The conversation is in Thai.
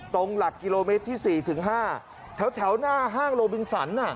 ตรงหลักกิโลเมตรที่สี่ถึงห้าแถวแถวหน้าห้างโรบิงสันอ่ะ